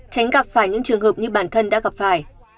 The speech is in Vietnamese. tránh gặp phải những trường hợp như bản thân đã gặp phải